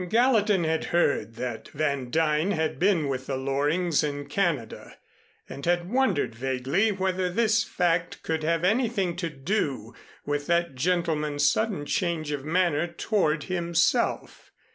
Gallatin had heard that Van Duyn had been with the Lorings in Canada, and had wondered vaguely whether this fact could have anything to do with that gentleman's sudden change of manner toward himself.